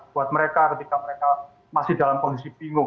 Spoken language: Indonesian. buat mereka ketika mereka masih dalam kondisi bingung